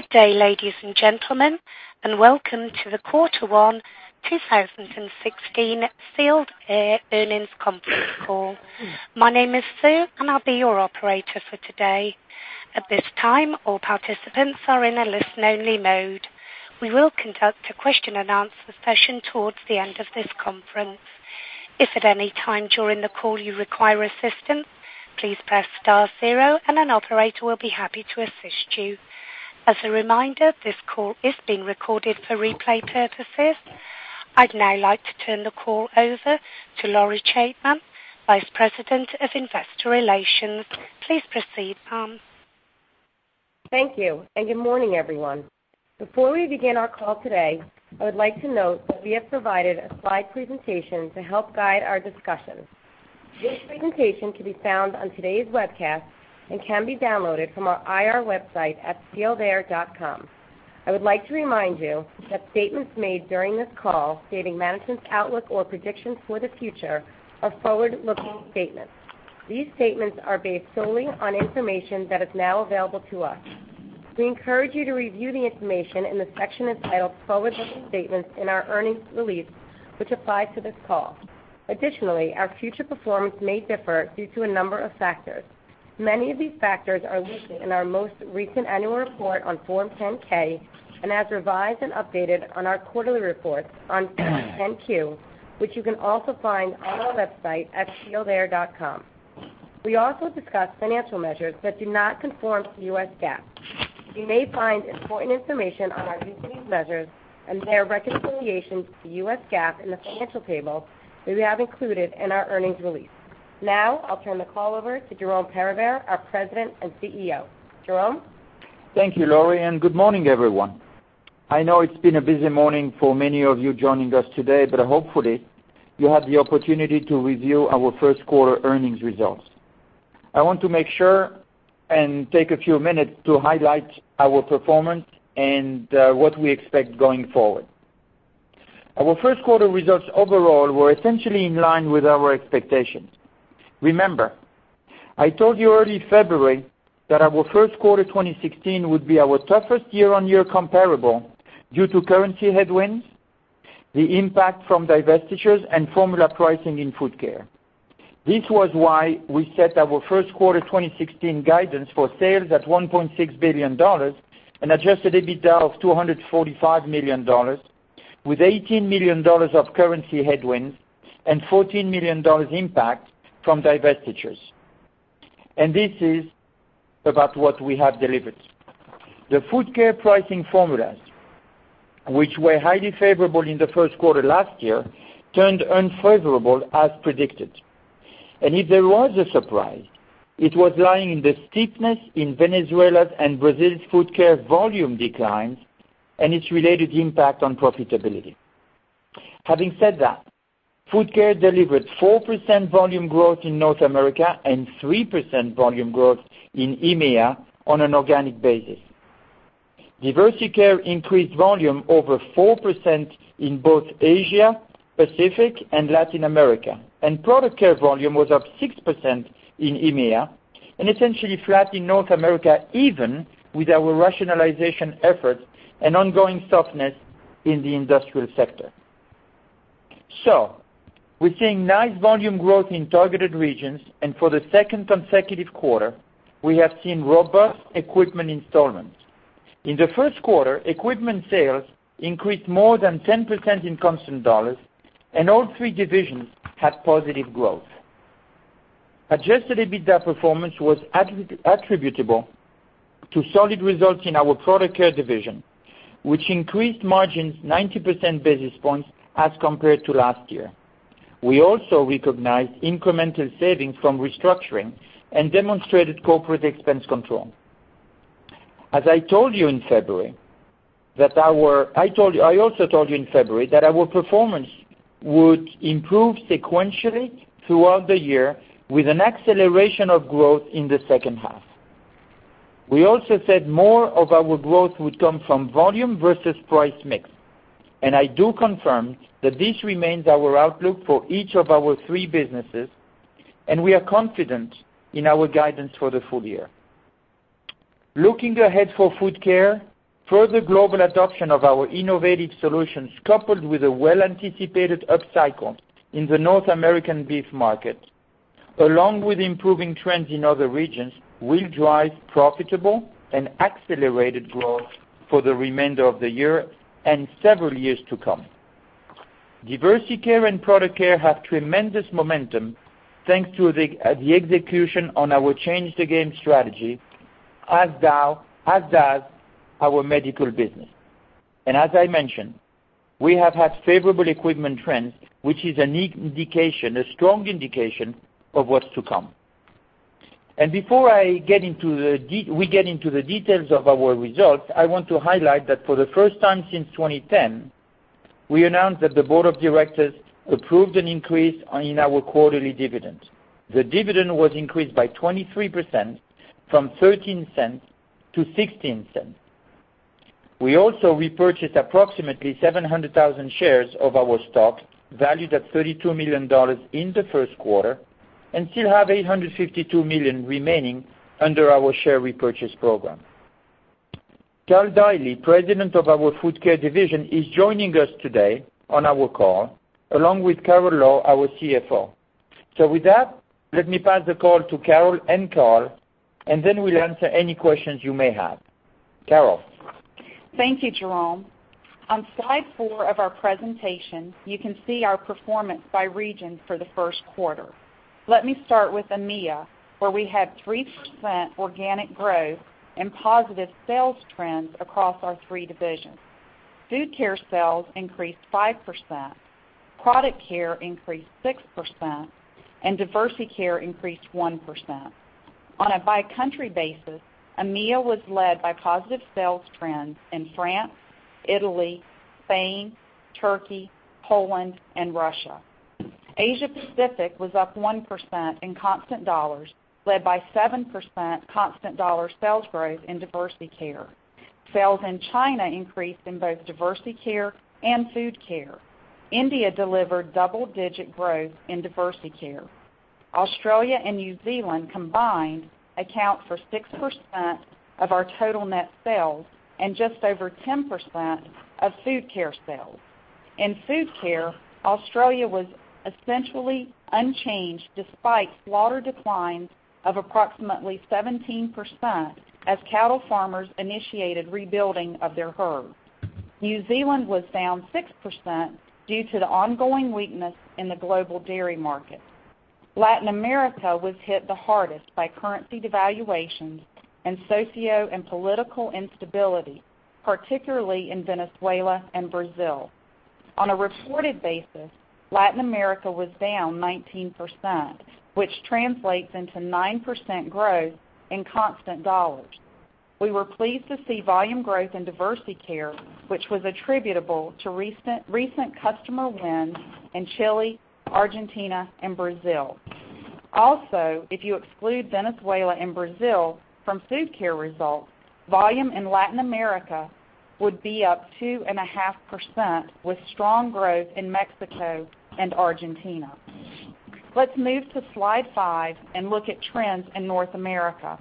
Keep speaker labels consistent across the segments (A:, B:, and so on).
A: Good day, ladies and gentlemen, and welcome to the Q1 2016 Sealed Air Earnings Conference Call. My name is Sue, and I'll be your operator for today. At this time, all participants are in a listen-only mode. We will conduct a question-and-answer session towards the end of this conference. If at any time during the call you require assistance, please press star zero and an operator will be happy to assist you. As a reminder, this call is being recorded for replay purposes. I'd now like to turn the call over to Lori Chaitman, Vice President of Investor Relations. Please proceed, ma'am.
B: Thank you. Good morning, everyone. Before we begin our call today, I would like to note that we have provided a slide presentation to help guide our discussion. This presentation can be found on today's webcast and can be downloaded from our IR website at sealedair.com. I would like to remind you that statements made during this call stating management's outlook or predictions for the future are forward-looking statements. These statements are based solely on information that is now available to us. We encourage you to review the information in the section entitled Forward-Looking Statements in our earnings release, which applies to this call. Additionally, our future performance may differ due to a number of factors. Many of these factors are listed in our most recent annual report on Form 10-K, and as revised and updated on our quarterly reports on Form 10-Q, which you can also find on our website at sealedair.com. We also discuss financial measures that do not conform to U.S. GAAP. You may find important information on our use of these measures and their reconciliation to U.S. GAAP in the financial table that we have included in our earnings release. Now, I'll turn the call over to Jerome Peribere, our President and CEO. Jerome?
C: Thank you, Lori. Good morning, everyone. I know it's been a busy morning for many of you joining us today, but hopefully you had the opportunity to review our Q1 earnings results. I want to make sure and take a few minutes to highlight our performance and what we expect going forward. Our Q1 results overall were essentially in line with our expectations. Remember, I told you early February that our Q1 2016 would be our toughest year-on-year comparable due to currency headwinds, the impact from divestitures, and formula pricing in Food Care. This was why we set our Q1 2016 guidance for sales at $1.6 billion and Adjusted EBITDA of $245 million, with $18 million of currency headwinds and $14 million impact from divestitures. This is about what we have delivered. The Food Care pricing formulas, which were highly favorable in the first quarter last year, turned unfavorable as predicted. If there was a surprise, it was lying in the steepness in Venezuela's and Brazil's Food Care volume declines and its related impact on profitability. Having said that, Food Care delivered 4% volume growth in North America and 3% volume growth in EMEA on an organic basis. Diversey Care increased volume over 4% in both Asia Pacific and Latin America, and Product Care volume was up 6% in EMEA and essentially flat in North America, even with our rationalization efforts and ongoing softness in the industrial sector. We're seeing nice volume growth in targeted regions, and for the second consecutive quarter, we have seen robust equipment installments. In the first quarter, equipment sales increased more than 10% in constant dollars, and all three divisions had positive growth. Adjusted EBITDA performance was attributable to solid results in our Product Care division, which increased margins 90 basis points as compared to last year. We also recognized incremental savings from restructuring and demonstrated corporate expense control. I also told you in February that our performance would improve sequentially throughout the year with an acceleration of growth in the second half. We also said more of our growth would come from volume versus price mix, and I do confirm that this remains our outlook for each of our three businesses, and we are confident in our guidance for the full year. Looking ahead for Food Care, further global adoption of our innovative solutions, coupled with a well-anticipated upcycle in the North American beef market, along with improving trends in other regions, will drive profitable and accelerated growth for the remainder of the year and several years to come. Diversey Care and Product Care have tremendous momentum, thanks to the execution on our Change the Game strategy, as does our medical business. As I mentioned, we have had favorable equipment trends, which is a strong indication of what's to come. Before we get into the details of our results, I want to highlight that for the first time since 2010, we announced that the board of directors approved an increase in our quarterly dividend. The dividend was increased by 23%, from $0.13 to $0.16. We also repurchased approximately 700,000 shares of our stock, valued at $32 million in the first quarter, and still have $852 million remaining under our share repurchase program. Karl Deily, President of our Food Care division, is joining us today on our call, along with Carol Lowe, our CFO. With that, let me pass the call to Carol and Karl, and then we'll answer any questions you may have. Carol?
D: Thank you, Jerome. On slide four of our presentation, you can see our performance by region for the first quarter. Let me start with EMEA, where we had 3% organic growth and positive sales trends across our three divisions. Food Care sales increased 5%, Product Care increased 6%, and Diversey Care increased 1%. On a by country basis, EMEA was led by positive sales trends in France, Italy, Spain, Turkey, Poland, and Russia. Asia-Pacific was up 1% in constant dollars, led by 7% constant dollar sales growth in Diversey Care. Sales in China increased in both Diversey Care and Food Care. India delivered double-digit growth in Diversey Care. Australia and New Zealand combined account for 6% of our total net sales and just over 10% of Food Care sales. In Food Care, Australia was essentially unchanged despite slaughter declines of approximately 17% as cattle farmers initiated rebuilding of their herd. New Zealand was down 6% due to the ongoing weakness in the global dairy market. Latin America was hit the hardest by currency devaluations and socio and political instability, particularly in Venezuela and Brazil. On a reported basis, Latin America was down 19%, which translates into 9% growth in constant dollars. We were pleased to see volume growth in Diversey Care, which was attributable to recent customer wins in Chile, Argentina, and Brazil. Also, if you exclude Venezuela and Brazil from Food Care results, volume in Latin America would be up two and a half %, with strong growth in Mexico and Argentina. Let's move to slide five and look at trends in North America.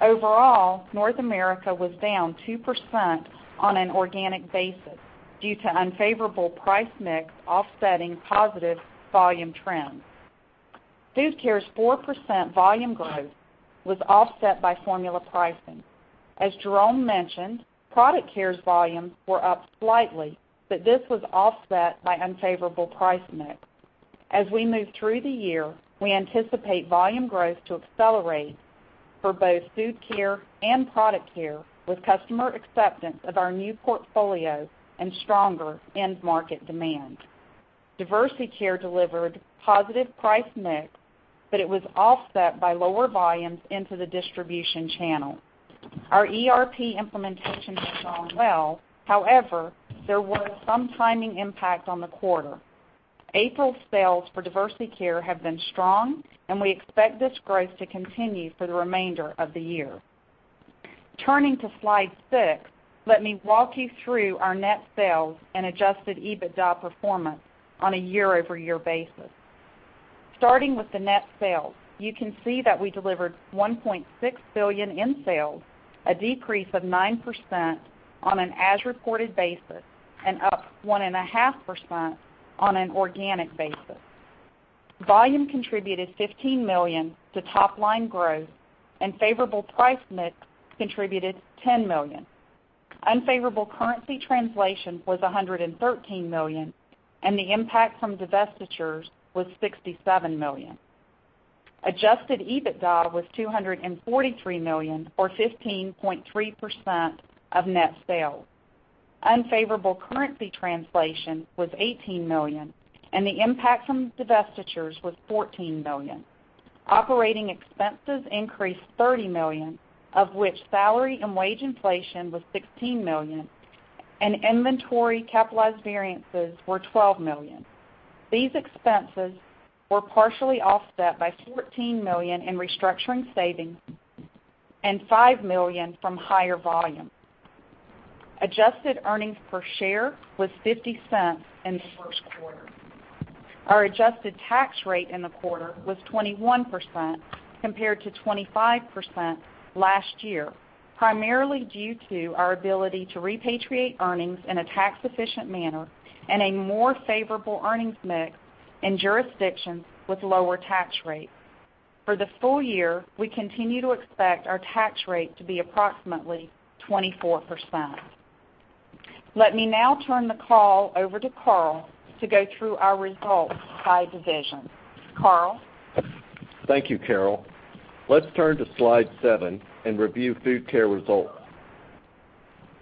D: Overall, North America was down 2% on an organic basis due to unfavorable price mix offsetting positive volume trends. Food Care's 4% volume growth was offset by formula pricing. As Jerome mentioned, Product Care's volumes were up slightly, but this was offset by unfavorable price mix. As we move through the year, we anticipate volume growth to accelerate for both Food Care and Product Care, with customer acceptance of our new portfolio and stronger end market demand. Diversey Care delivered positive price mix, but it was offset by lower volumes into the distribution channel. Our ERP implementation has gone well. However, there was some timing impact on the quarter. April sales for Diversey Care have been strong, and we expect this growth to continue for the remainder of the year. Turning to slide six, let me walk you through our net sales and Adjusted EBITDA performance on a year-over-year basis. Starting with the net sales, you can see that we delivered $1.6 billion in sales, a decrease of 9% on an as-reported basis, and up one and a half % on an organic basis. Volume contributed $15 million to top-line growth, and favorable price mix contributed $10 million. Unfavorable currency translation was $113 million, and the impact from divestitures was $67 million. Adjusted EBITDA was $243 million, or 15.3% of net sales. Unfavorable currency translation was $18 million, and the impact from divestitures was $14 million. Operating expenses increased $30 million, of which salary and wage inflation was $16 million, and inventory capitalized variances were $12 million. These expenses were partially offset by $14 million in restructuring savings and $5 million from higher volume. Adjusted earnings per share was $0.50 in the first quarter. Our adjusted tax rate in the quarter was 21% compared to 25% last year, primarily due to our ability to repatriate earnings in a tax-efficient manner and a more favorable earnings mix in jurisdictions with lower tax rates. For the full year, we continue to expect our tax rate to be approximately 24%. Let me now turn the call over to Karl to go through our results by division. Karl?
E: Thank you, Carol. Let's turn to slide seven and review Food Care results.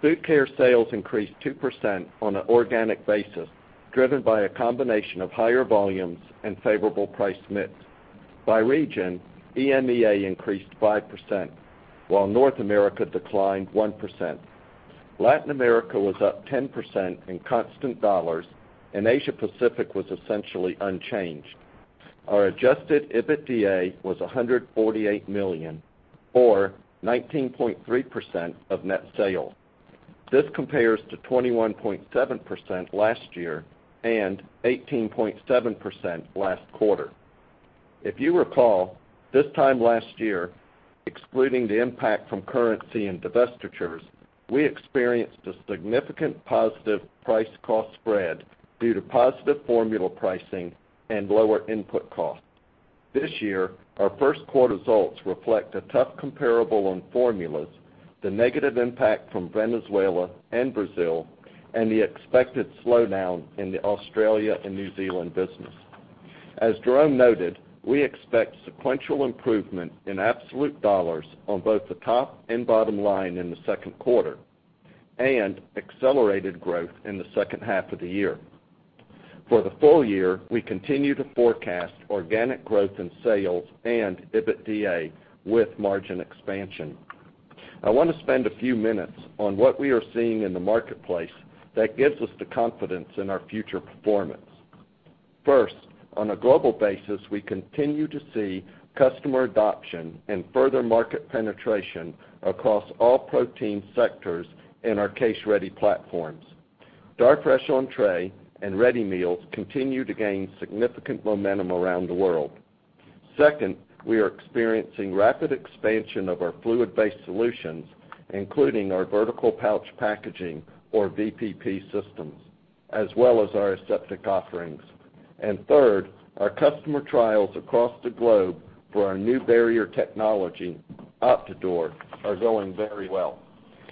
E: Food Care sales increased 2% on an organic basis, driven by a combination of higher volumes and favorable price mix. By region, EMEA increased 5%, while North America declined 1%. Latin America was up 10% in constant dollars, and Asia-Pacific was essentially unchanged. Our Adjusted EBITDA was $148 million or 19.3% of net sales. This compares to 21.7% last year and 18.7% last quarter. If you recall, this time last year, excluding the impact from currency and divestitures, we experienced a significant positive price-cost spread due to positive formula pricing and lower input costs. This year, our first quarter results reflect a tough comparable on formulas, the negative impact from Venezuela and Brazil, and the expected slowdown in the Australia and New Zealand business. As Jerome noted, we expect sequential improvement in absolute dollars on both the top and bottom line in the second quarter and accelerated growth in the second half of the year. For the full year, we continue to forecast organic growth in sales and EBITDA with margin expansion. I want to spend a few minutes on what we are seeing in the marketplace that gives us the confidence in our future performance. First, on a global basis, we continue to see customer adoption and further market penetration across all protein sectors in our case-ready platforms. Darfresh entrée and ready meals continue to gain significant momentum around the world. Second, we are experiencing rapid expansion of our fluid-based solutions, including our vertical pouch packaging, or VPP systems, as well as our aseptic offerings. Third, our customer trials across the globe for our new barrier technology, Opti-Dur, are going very well.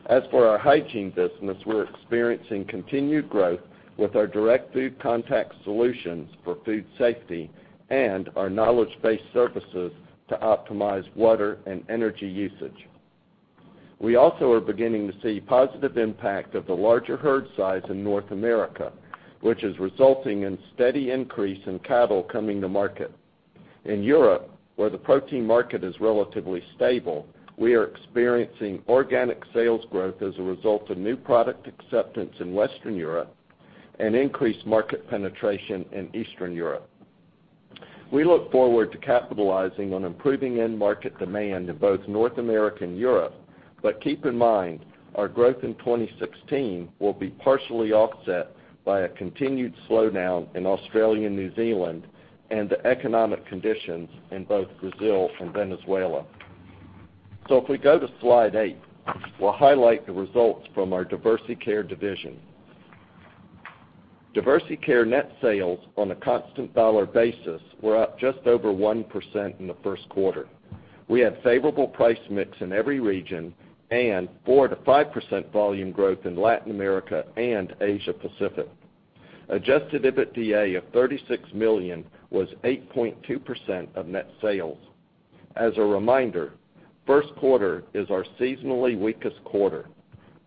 E: As for our hygiene business, we're experiencing continued growth with our direct food contact solutions for food safety and our knowledge-based services to optimize water and energy usage. We also are beginning to see positive impact of the larger herd size in North America, which is resulting in steady increase in cattle coming to market. In Europe, where the protein market is relatively stable, we are experiencing organic sales growth as a result of new product acceptance in Western Europe and increased market penetration in Eastern Europe. We look forward to capitalizing on improving end market demand in both North America and Europe. Keep in mind, our growth in 2016 will be partially offset by a continued slowdown in Australia and New Zealand and the economic conditions in both Brazil and Venezuela. If we go to slide eight, we'll highlight the results from our Diversey Care division. Diversey Care net sales on a constant dollar basis were up just over 1% in the first quarter. We had favorable price mix in every region and 4%-5% volume growth in Latin America and Asia Pacific. Adjusted EBITDA of $36 million was 8.2% of net sales. As a reminder, first quarter is our seasonally weakest quarter,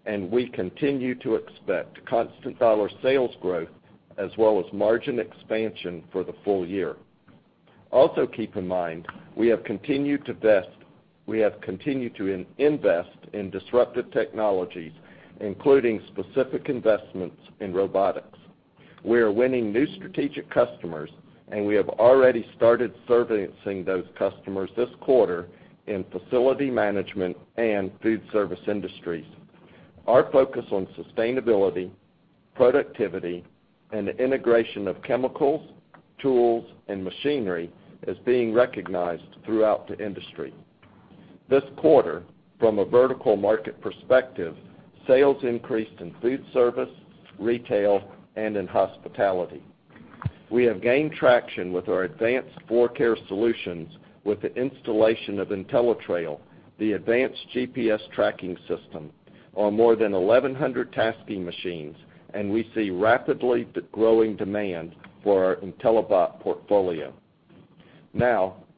E: and we continue to expect constant dollar sales growth as well as margin expansion for the full year. Also keep in mind, we have continued to invest in disruptive technologies, including specific investments in robotics. We are winning new strategic customers, and we have already started servicing those customers this quarter in facility management and food service industries. Our focus on sustainability, productivity, and the integration of chemicals, tools, and machinery is being recognized throughout the industry. This quarter, from a vertical market perspective, sales increased in food service, retail, and in hospitality. We have gained traction with our advanced floor care solutions with the installation of IntelliTrail, the advanced GPS tracking system, on more than 1,100 TASKI machines, and we see rapidly growing demand for our Intellibot portfolio.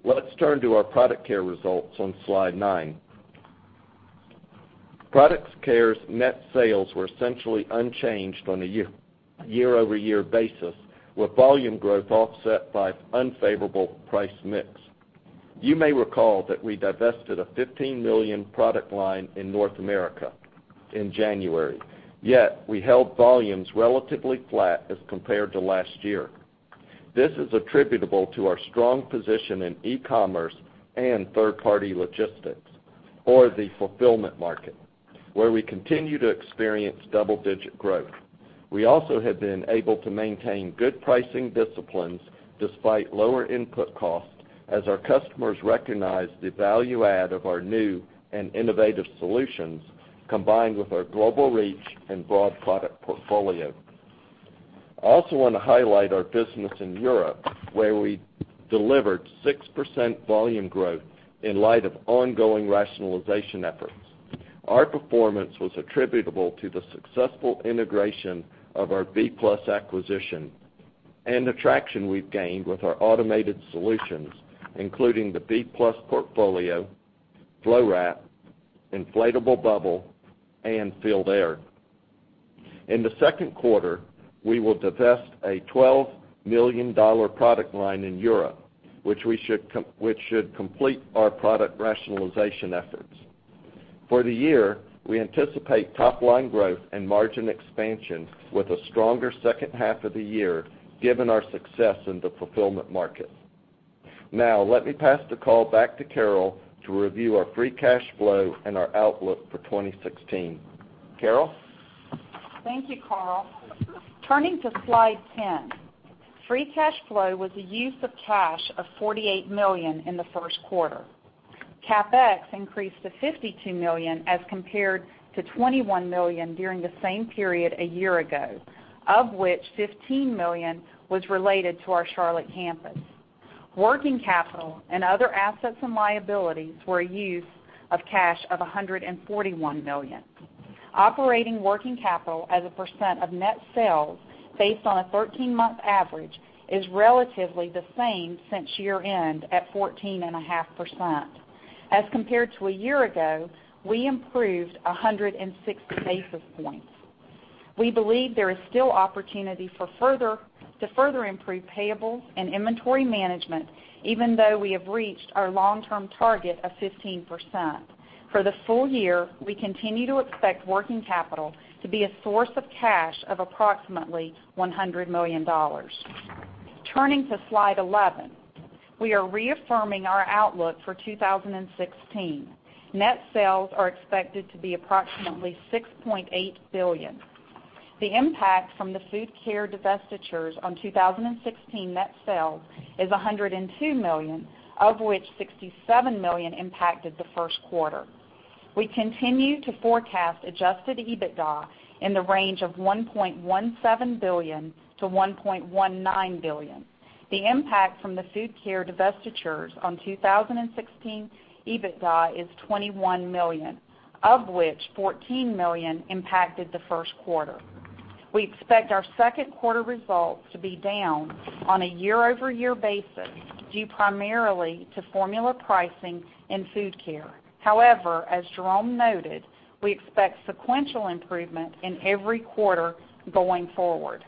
E: Let's turn to our Product Care results on slide nine. Product Care's net sales were essentially unchanged on a year-over-year basis, with volume growth offset by unfavorable price mix. You may recall that we divested a $15 million product line in North America in January. Yet we held volumes relatively flat as compared to last year. This is attributable to our strong position in e-commerce and third-party logistics or the fulfillment market, where we continue to experience double-digit growth. We also have been able to maintain good pricing disciplines despite lower input costs as our customers recognize the value add of our new and innovative solutions combined with our global reach and broad product portfolio. I also want to highlight our business in Europe, where we delivered 6% volume growth in light of ongoing rationalization efforts. Our performance was attributable to the successful integration of our B+ acquisition and the traction we've gained with our automated solutions, including the B+ portfolio, FloWrap, BUBBLE WRAP brand Inflatable Cushioning, and SEALED AIR. In the second quarter, we will divest a $12 million product line in Europe, which should complete our product rationalization efforts. For the year, we anticipate top-line growth and margin expansion with a stronger second half of the year given our success in the fulfillment market. Now let me pass the call back to Carol to review our free cash flow and our outlook for 2016. Carol?
D: Thank you, Karl. Turning to slide 10. Free cash flow was a use of cash of $48 million in the first quarter. CapEx increased to $52 million as compared to $21 million during the same period a year ago, of which $15 million was related to our Charlotte campus. Working capital and other assets and liabilities were a use of cash of $141 million. Operating working capital as a percent of net sales based on a 13-month average is relatively the same since year-end at 14.5%. As compared to a year ago, we improved 160 basis points. We believe there is still opportunity to further improve payables and inventory management even though we have reached our long-term target of 15%. For the full year, we continue to expect working capital to be a source of cash of approximately $100 million. Turning to slide 11. We are reaffirming our outlook for 2016. Net sales are expected to be approximately $6.8 billion. The impact from the Food Care divestitures on 2016 net sales is $102 million, of which $67 million impacted the first quarter. We continue to forecast Adjusted EBITDA in the range of $1.17 billion-$1.19 billion. The impact from the Food Care divestitures on 2016 EBITDA is $21 million, of which $14 million impacted the first quarter. We expect our second quarter results to be down on a year-over-year basis due primarily to formula pricing in Food Care. As Jerome noted, we expect sequential improvement in every quarter going forward.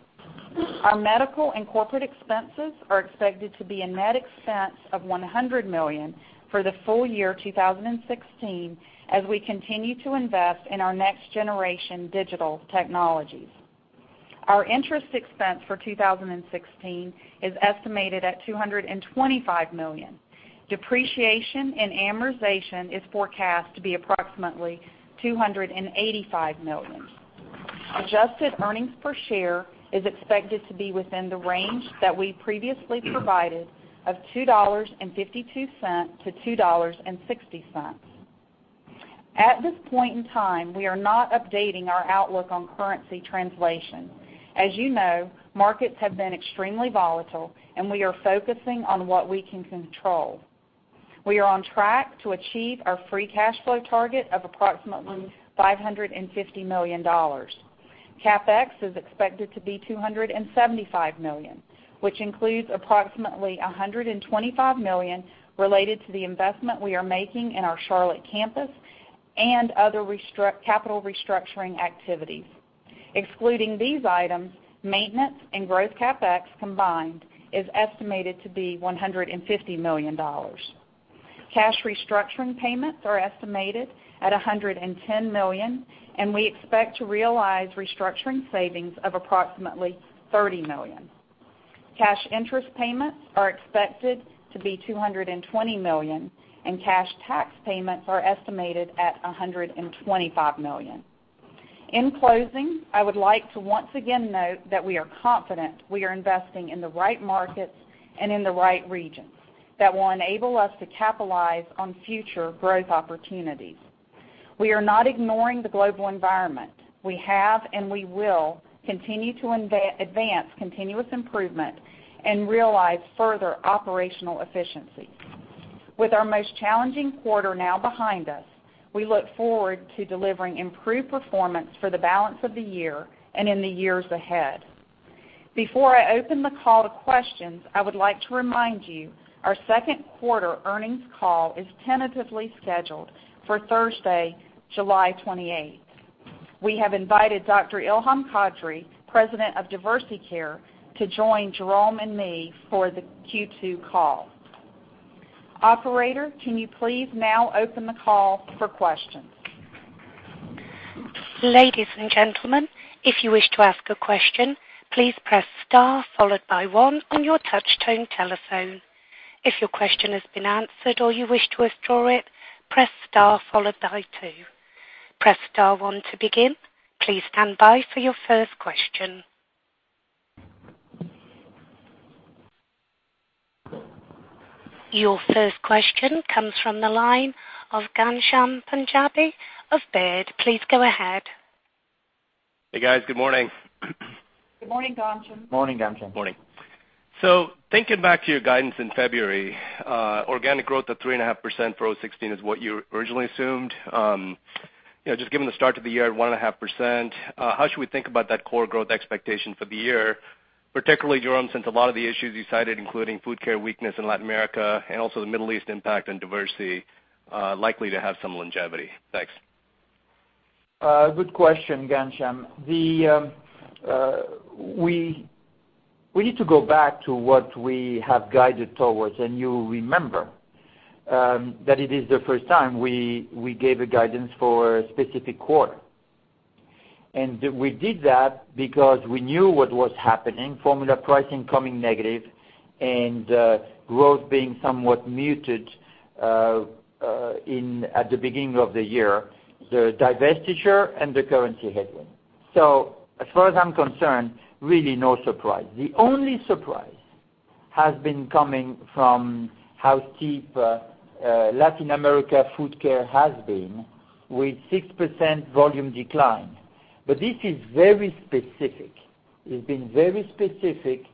D: Our medical and corporate expenses are expected to be a net expense of $100 million for the full year 2016, as we continue to invest in our next-generation digital technologies. Our interest expense for 2016 is estimated at $225 million. Depreciation and amortization is forecast to be approximately $285 million. Adjusted Earnings Per Share is expected to be within the range that we previously provided of $2.52-$2.60. At this point in time, we are not updating our outlook on currency translation. As you know, markets have been extremely volatile, we are focusing on what we can control. We are on track to achieve our free cash flow target of approximately $550 million. CapEx is expected to be $275 million, which includes approximately $125 million related to the investment we are making in our Charlotte campus and other capital restructuring activities. Excluding these items, maintenance and growth CapEx combined is estimated to be $150 million. Cash restructuring payments are estimated at $110 million, and we expect to realize restructuring savings of approximately $30 million. Cash interest payments are expected to be $220 million, and cash tax payments are estimated at $125 million. In closing, I would like to once again note that we are confident we are investing in the right markets and in the right regions that will enable us to capitalize on future growth opportunities. We are not ignoring the global environment. We have, and we will continue to advance continuous improvement and realize further operational efficiency. With our most challenging quarter now behind us, we look forward to delivering improved performance for the balance of the year and in the years ahead. Before I open the call to questions, I would like to remind you, our second quarter earnings call is tentatively scheduled for Thursday, July 28th. We have invited Dr. Ilham Kadri, President of Diversey Care, to join Jerome and me for the Q2 call. Operator, can you please now open the call for questions?
A: Ladies and gentlemen, if you wish to ask a question, please press star followed by one on your touch-tone telephone. If your question has been answered or you wish to withdraw it, press star followed by two. Press star one to begin. Please stand by for your first question. Your first question comes from the line of Ghansham Panjabi of Baird. Please go ahead.
F: Hey, guys. Good morning.
D: Good morning, Ghansham.
E: Morning, Ghansham.
F: Morning. Thinking back to your guidance in February, organic growth of 3.5% for 2016 is what you originally assumed. Just given the start to the year at 1.5%, how should we think about that core growth expectation for the year, particularly, Jerome, since a lot of the issues you cited, including Food Care weakness in Latin America and also the Middle East impact on Diversey Care, are likely to have some longevity? Thanks.
C: Good question, Ghansham. We need to go back to what we have guided towards, you remember that it is the first time we gave a guidance for a specific quarter. We did that because we knew what was happening, formula pricing coming negative, and growth being somewhat muted at the beginning of the year, the divestiture, and the currency headwind. As far as I'm concerned, really no surprise. The only surprise has been coming from how steep Latin America Food Care has been, with 6% volume decline. This is very specific. It's been very specific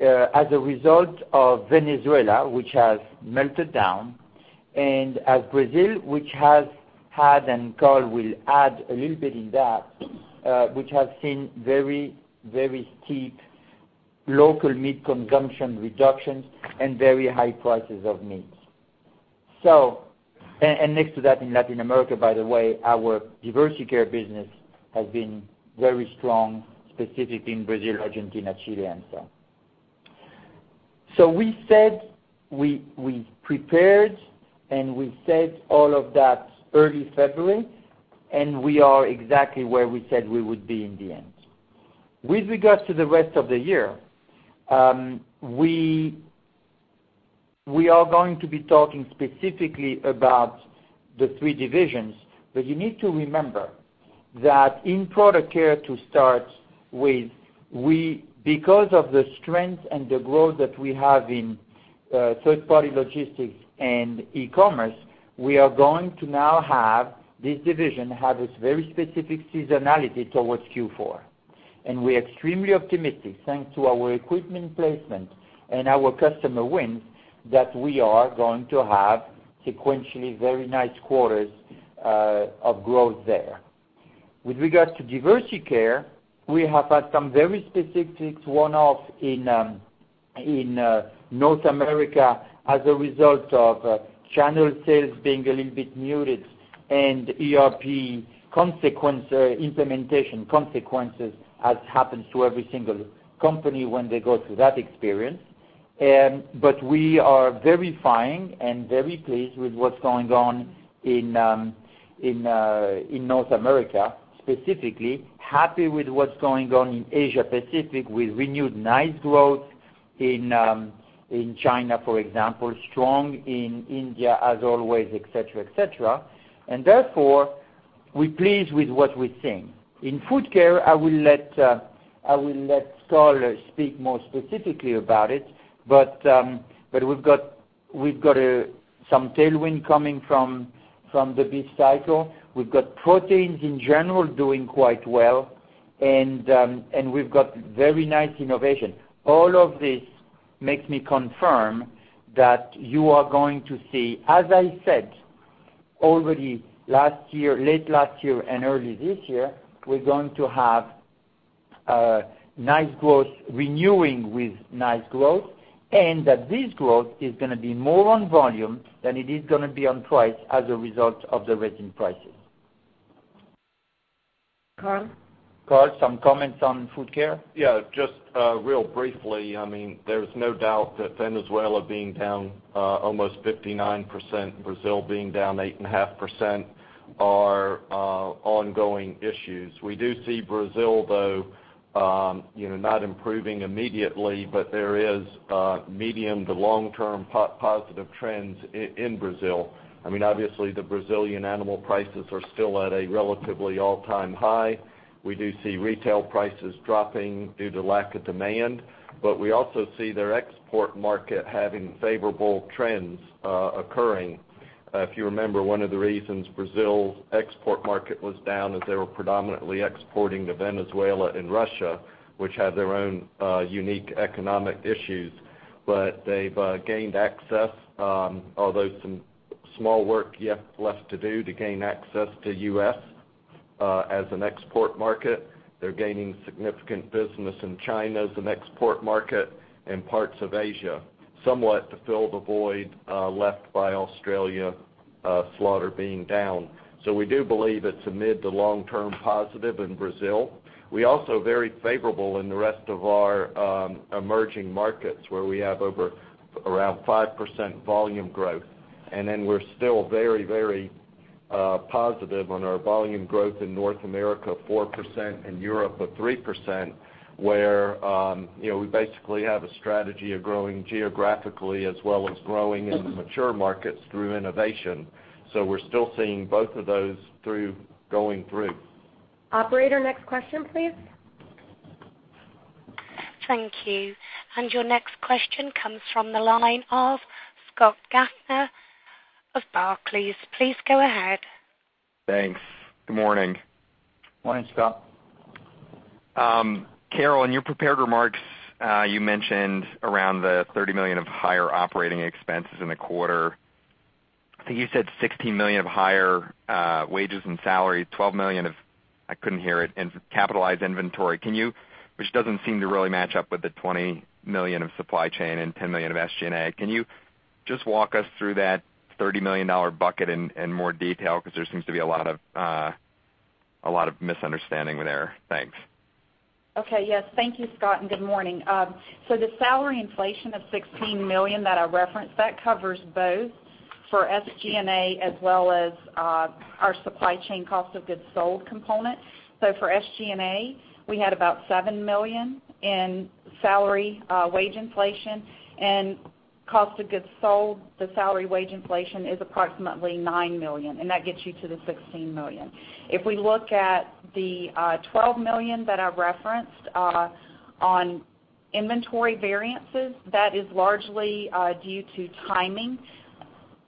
C: as a result of Venezuela, which has melted down, and Brazil, which has had, and Karl will add a little bit in that, which has seen very steep local meat consumption reductions and very high prices of meats. Next to that, in Latin America, by the way, our Diversey Care business has been very strong, specifically in Brazil, Argentina, Chile, and so on. We said we prepared, and we said all of that early February, and we are exactly where we said we would be in the end. With regards to the rest of the year, we are going to be talking specifically about the three divisions. You need to remember that in Product Care, to start with, because of the strength and the growth that we have in third-party logistics and e-commerce, we are going to now have this division have its very specific seasonality towards Q4. We're extremely optimistic, thanks to our equipment placement and our customer wins, that we are going to have sequentially very nice quarters of growth there. With regards to Diversey Care, we have had some very specific one-off in North America as a result of channel sales being a little bit muted and ERP implementation consequences as happens to every single company when they go through that experience. We are very fine and very pleased with what's going on in North America, specifically happy with what's going on in Asia Pacific, with renewed nice growth in China, for example, strong in India as always, et cetera. Therefore, we're pleased with what we're seeing. In Food Care, I will let Karl speak more specifically about it, but we've got some tailwind coming from the beef cycle. We've got proteins in general doing quite well, and we've got very nice innovation. All of this makes me confirm that you are going to see, as I said already late last year and early this year, we're going to have nice growth renewing with nice growth, and that this growth is going to be more on volume than it is going to be on price as a result of the resin prices.
B: Karl?
C: Karl, some comments on Food Care?
E: Yeah. Just real briefly, there's no doubt that Venezuela being down almost 59%, Brazil being down 8.5% are ongoing issues. We do see Brazil, though, not improving immediately, but there is medium to long-term positive trends in Brazil. Obviously, the Brazilian animal prices are still at a relatively all-time high. We do see retail prices dropping due to lack of demand, but we also see their export market having favorable trends occurring. If you remember, one of the reasons Brazil's export market was down is they were predominantly exporting to Venezuela and Russia, which had their own unique economic issues. They've gained access, although some small work left to do to gain access to U.S. as an export market. They're gaining significant business in China as an export market and parts of Asia, somewhat to fill the void left by Australia slaughter being down. We do believe it's a mid to long-term positive in Brazil. We're also very favorable in the rest of our emerging markets, where we have over around 5% volume growth. We're still very positive on our volume growth in North America, 4%, and Europe of 3%, where we basically have a strategy of growing geographically as well as growing in the mature markets through innovation. We're still seeing both of those going through.
B: Operator, next question, please.
A: Thank you. Your next question comes from the line of Scott Gaffner of Barclays. Please go ahead.
G: Thanks. Good morning.
C: Morning, Scott.
G: Carol, in your prepared remarks, you mentioned around the $30 million of higher operating expenses in the quarter. I think you said $16 million of higher wages and salaries, $12 million of capitalized inventory, which doesn't seem to really match up with the $20 million of supply chain and $10 million of SG&A. Can you just walk us through that $30 million bucket in more detail? There seems to be a lot of misunderstanding there. Thanks.
D: Okay. Yes. Thank you, Scott, and good morning. The salary inflation of $16 million that I referenced, that covers both for SG&A as well as our supply chain cost of goods sold component. For SG&A, we had about $7 million in salary wage inflation and cost of goods sold, the salary wage inflation is approximately $9 million, and that gets you to the $16 million. We look at the $12 million that I referenced on inventory variances, that is largely due to timing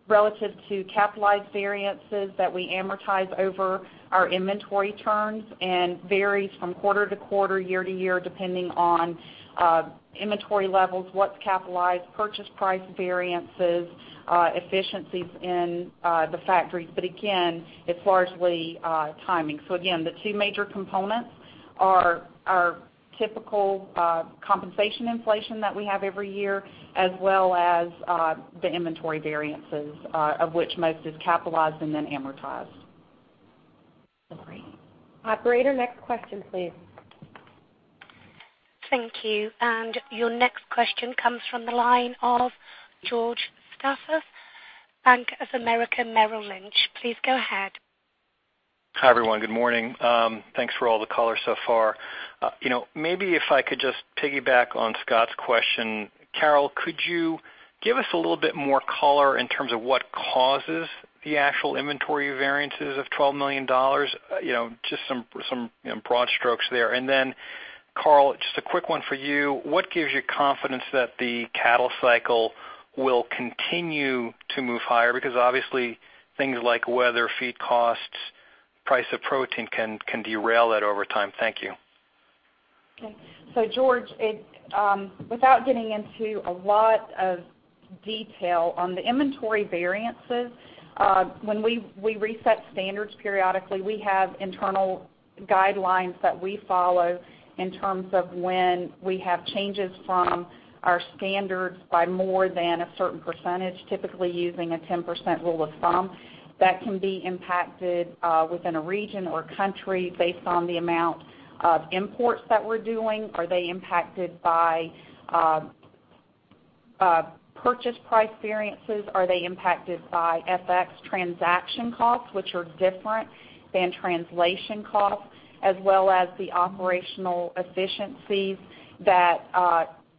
D: relative to capitalized variances that we amortize over our inventory turns and varies from quarter to quarter, year to year, depending on inventory levels, what's capitalized, purchase price variances, efficiencies in the factories. Again, it's largely timing. Again, the two major components are typical compensation inflation that we have every year, as well as the inventory variances, of which most is capitalized and then amortized.
B: Great. Operator, next question, please.
A: Thank you. Your next question comes from the line of George Staphos, Bank of America Merrill Lynch. Please go ahead.
H: Hi, everyone. Good morning. Thanks for all the color so far. Maybe if I could just piggyback on Scott's question. Carol, could you give us a little bit more color in terms of what causes the actual inventory variances of $12 million? Just some broad strokes there. Then Karl, just a quick one for you. What gives you confidence that the cattle cycle will continue to move higher? Because obviously things like weather, feed costs, price of protein can derail that over time. Thank you.
D: Okay. George, without getting into a lot of detail on the inventory variances, when we reset standards periodically, we have internal guidelines that we follow in terms of when we have changes from our standards by more than a certain percentage, typically using a 10% rule of thumb, that can be impacted within a region or country based on the amount of imports that we're doing. Are they impacted by purchase price variances? Are they impacted by FX transaction costs, which are different than translation costs, as well as the operational efficiencies that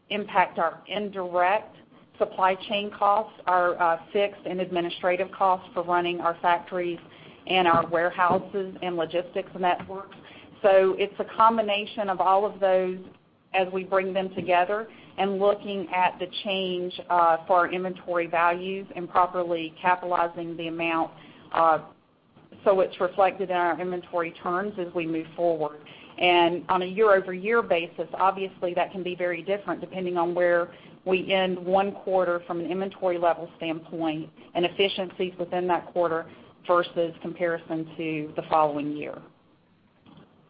D: impact our indirect supply chain costs, our fixed and administrative costs for running our factories and our warehouses and logistics networks. It's a combination of all of those as we bring them together and looking at the change for our inventory values and properly capitalizing the amount so it's reflected in our inventory turns as we move forward. On a year-over-year basis, obviously, that can be very different depending on where we end one quarter from an inventory level standpoint and efficiencies within that quarter versus comparison to the following year.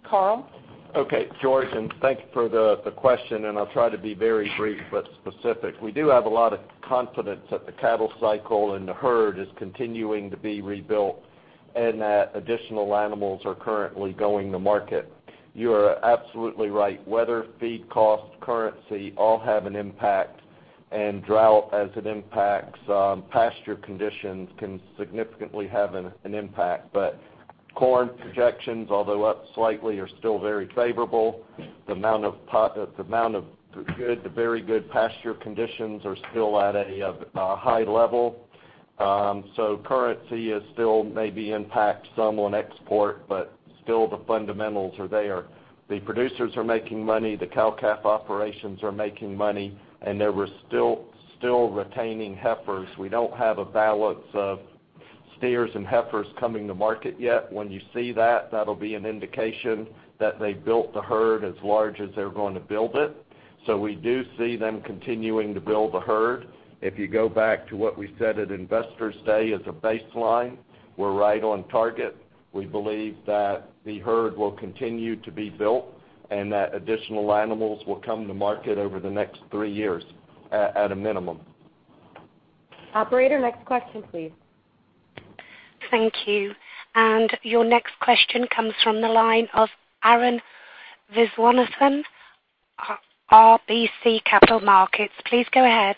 D: Karl?
E: Okay. George, thank you for the question, and I'll try to be very brief but specific. We do have a lot of confidence that the cattle cycle and the herd is continuing to be rebuilt and that additional animals are currently going to market. You are absolutely right. Weather, feed costs, currency, all have an impact, and drought as it impacts pasture conditions can significantly have an impact. Corn projections, although up slightly, are still very favorable. The amount of good to very good pasture conditions are still at a high level. Currency still maybe impacts some on export, still the fundamentals are there. The producers are making money, the cow-calf operations are making money, and they were still retaining heifers. We don't have a balance of steers and heifers coming to market yet. When you see that'll be an indication that they built the herd as large as they're going to build it. We do see them continuing to build the herd. If you go back to what we said at Investor Day as a baseline, we're right on target. We believe that the herd will continue to be built and that additional animals will come to market over the next three years at a minimum.
B: Operator, next question, please.
A: Thank you. Your next question comes from the line of Arun Viswanathan, RBC Capital Markets. Please go ahead.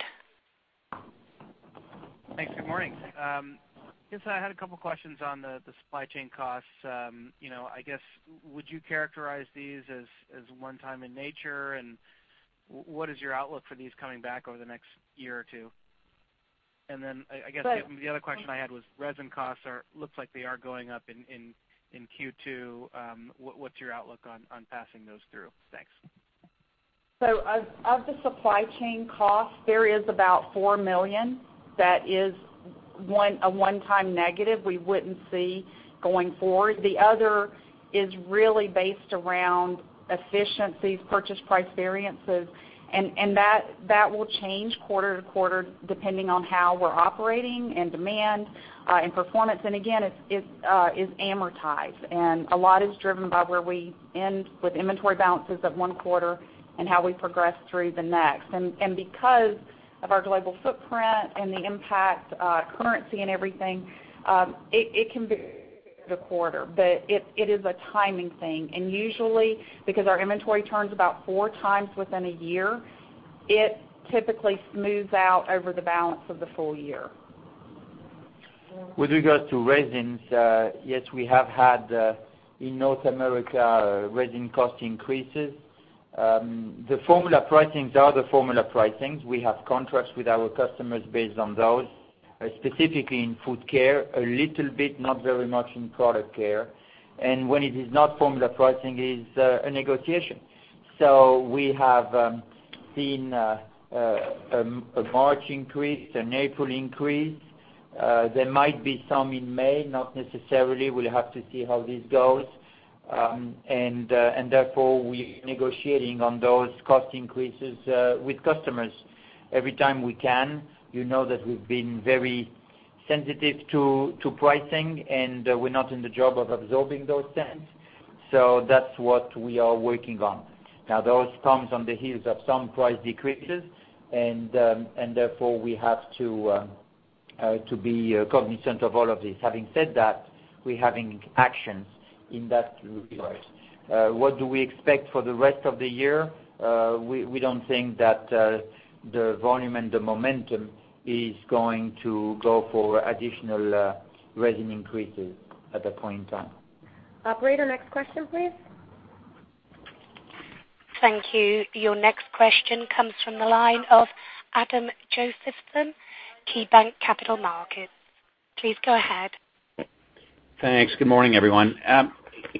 I: Thanks. Good morning. Guess I had a couple questions on the supply chain costs. I guess, would you characterize these as one time in nature, and what is your outlook for these coming back over the next year or two? I guess the other question I had was resin costs, looks like they are going up in Q2. What's your outlook on passing those through? Thanks.
D: Of the supply chain cost, there is about four million that is a one-time negative we wouldn't see going forward. The other is really based around efficiencies, purchase price variances, and that will change quarter to quarter depending on how we're operating and demand in performance, and again, it is amortized. A lot is driven by where we end with inventory balances at one quarter and how we progress through the next. Because of our global footprint and the impact currency and everything, it can vary the quarter, but it is a timing thing. Usually, because our inventory turns about four times within a year, it typically smooths out over the balance of the full year.
C: With regards to resins, yes, we have had, in North America, resin cost increases. The formula pricings are the formula pricings. We have contracts with our customers based on those, specifically in Food Care, a little bit, not very much, in Product Care. When it is not formula pricing, it is a negotiation. We have seen a March increase, an April increase. There might be some in May, not necessarily. We'll have to see how this goes. Therefore, we're negotiating on those cost increases with customers every time we can. You know that we've been very sensitive to pricing, and we're not in the job of absorbing those costs. That's what we are working on. Now, those comes on the heels of some price decreases, therefore, we have to be cognizant of all of this. Having said that, we're having actions in that regard. What do we expect for the rest of the year? We don't think that the volume and the momentum is going to go for additional resin increases at the point in time.
B: Operator, next question, please.
A: Thank you. Your next question comes from the line of Adam Josephson, KeyBanc Capital Markets. Please go ahead.
J: Thanks. Good morning, everyone.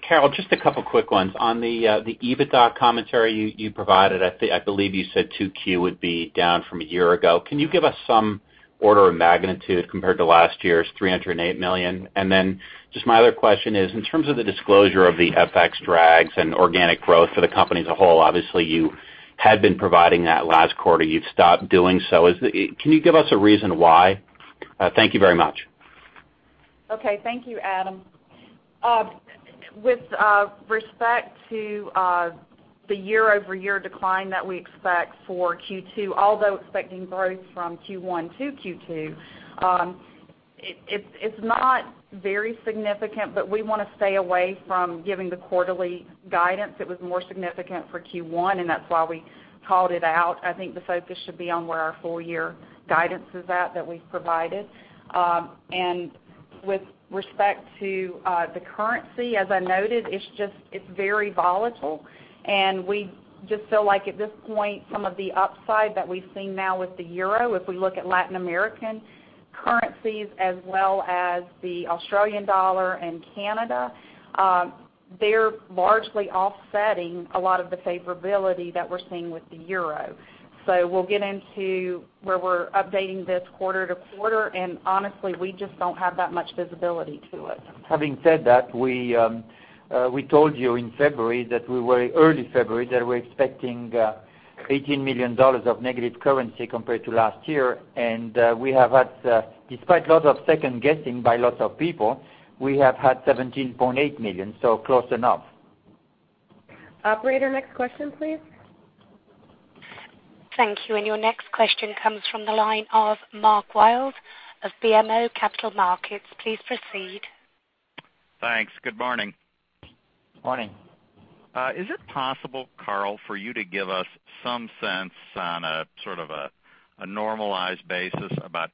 J: Carol, just a couple of quick ones. On the EBITDA commentary you provided, I believe you said 2Q would be down from a year ago. Can you give us some order of magnitude compared to last year's $308 million? Just my other question is, in terms of the disclosure of the FX drags and organic growth for the company as a whole, obviously you had been providing that last quarter. You've stopped doing so. Can you give us a reason why? Thank you very much.
D: Okay. Thank you, Adam. With respect to the year-over-year decline that we expect for Q2, although expecting growth from Q1 to Q2, it's not very significant, but we want to stay away from giving the quarterly guidance. It was more significant for Q1, and that's why we called it out. I think the focus should be on where our full-year guidance is at that we've provided. With respect to the currency, as I noted, it's very volatile, and we just feel like at this point, some of the upside that we've seen now with the euro, if we look at Latin American currencies as well as the Australian dollar and Canada, they're largely offsetting a lot of the favorability that we're seeing with the euro. We'll get into where we're updating this quarter-to-quarter, and honestly, we just don't have that much visibility to it.
C: Having said that, we told you in February, early February, that we're expecting $18 million of negative currency compared to last year. Despite lots of second-guessing by lots of people, we have had $17.8 million, close enough.
B: Operator, next question, please.
A: Thank you. Your next question comes from the line of Mark Wilde of BMO Capital Markets. Please proceed.
K: Thanks. Good morning.
C: Morning.
K: Is it possible, Karl, for you to give us some sense on a normalized basis about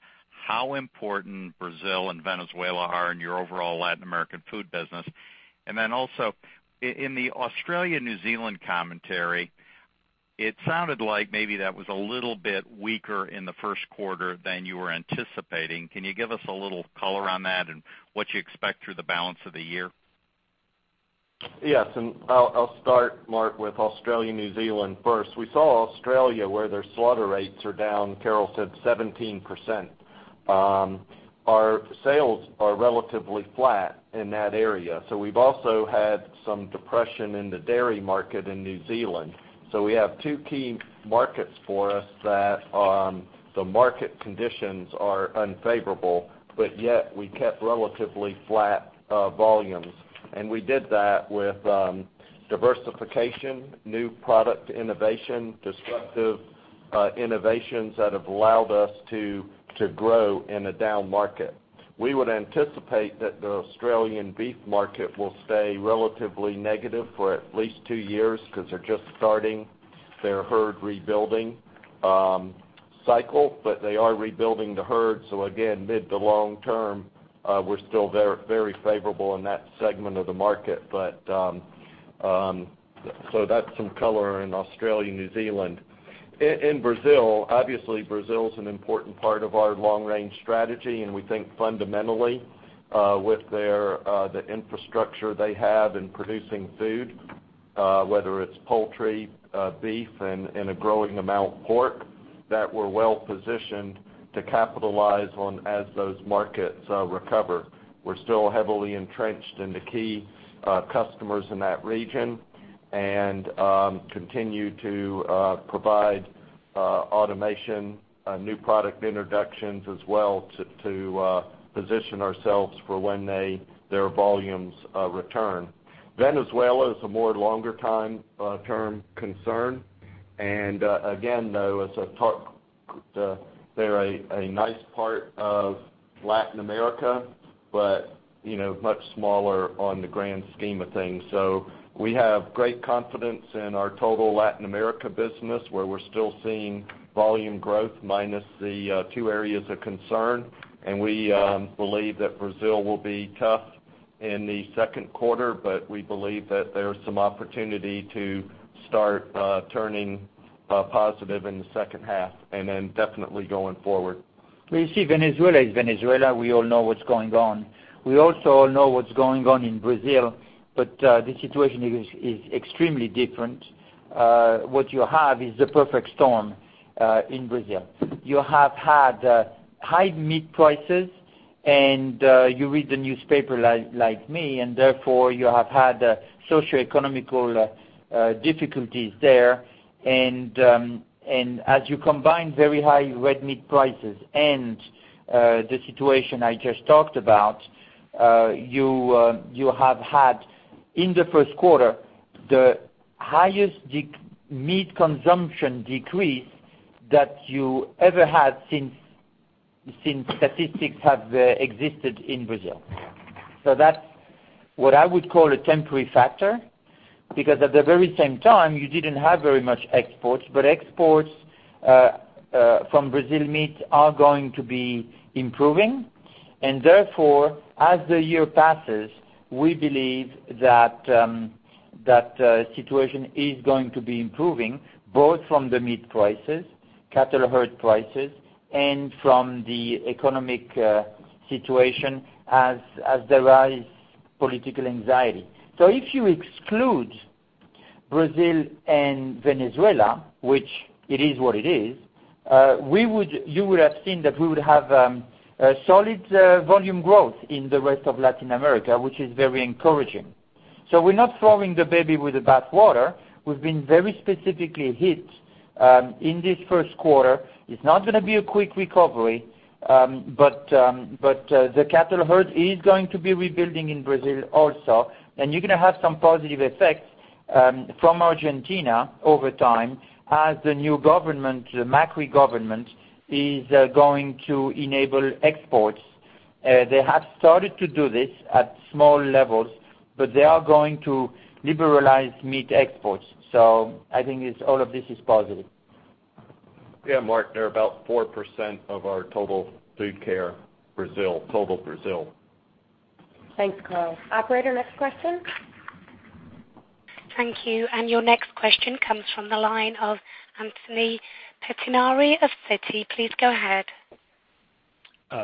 K: how important Brazil and Venezuela are in your overall Latin American food business? Then also, in the Australia-New Zealand commentary, it sounded like maybe that was a little bit weaker in the first quarter than you were anticipating. Can you give us a little color on that and what you expect through the balance of the year?
E: Yes. I'll start, Mark, with Australia-New Zealand first. We saw Australia where their slaughter rates are down, Carol said 17%. Our sales are relatively flat in that area. We've also had some depression in the dairy market in New Zealand. We have two key markets for us that the market conditions are unfavorable, yet we kept relatively flat volumes. We did that with diversification, new product innovation, disruptive innovations that have allowed us to grow in a down market. We would anticipate that the Australian beef market will stay relatively negative for at least two years because they're just starting their herd rebuilding cycle, they are rebuilding the herd. Again, mid to long term, we're still very favorable in that segment of the market. That's some color in Australia-New Zealand. In Brazil, obviously, Brazil is an important part of our long-range strategy. We think fundamentally with the infrastructure they have in producing food whether it's poultry, beef, and a growing amount of pork, that we're well-positioned to capitalize on as those markets recover. We're still heavily entrenched in the key customers in that region. Continue to provide automation, new product introductions as well to position ourselves for when their volumes return. Venezuela is a more longer-term concern. Again, though, they're a nice part of Latin America, but much smaller on the grand scheme of things. We have great confidence in our total Latin America business, where we're still seeing volume growth minus the two areas of concern. We believe that Brazil will be tough in the second quarter, but we believe that there's some opportunity to start turning a positive in the second half, definitely going forward.
C: You see, Venezuela is Venezuela. We all know what's going on. We also all know what's going on in Brazil, but the situation is extremely different. What you have is the perfect storm in Brazil. You have had high meat prices. You read the newspaper like me, therefore, you have had socioeconomic difficulties there. As you combine very high red meat prices and the situation I just talked about, you have had, in the first quarter, the highest meat consumption decrease that you ever had since statistics have existed in Brazil. That's what I would call a temporary factor, because at the very same time, you didn't have very much exports from Brazil meat are going to be improving. Therefore, as the year passes, we believe that situation is going to be improving, both from the meat prices, cattle herd prices, and from the economic situation as there is political anxiety. If you exclude Brazil and Venezuela, which it is what it is, you would have seen that we would have a solid volume growth in the rest of Latin America, which is very encouraging. We're not throwing the baby with the bathwater. We've been very specifically hit in this first quarter. It's not going to be a quick recovery. The cattle herd is going to be rebuilding in Brazil also, you're going to have some positive effects from Argentina over time as the new government, the Macri government, is going to enable exports. They have started to do this at small levels, they are going to liberalize meat exports. I think all of this is positive.
E: Yeah, Mark, they're about 4% of our total Food Care Brazil, total Brazil.
B: Thanks, Karl. Operator, next question?
A: Thank you. Your next question comes from the line of Anthony Pettinari of Citi. Please go ahead.